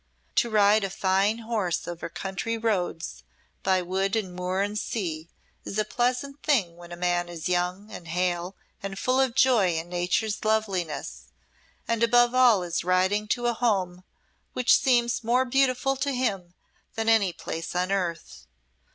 To ride a fine horse over country roads, by wood and moor and sea, is a pleasant thing when a man is young and hale and full of joy in Nature's loveliness, and above all is riding to a home which seems more beautiful to him than any place on earth.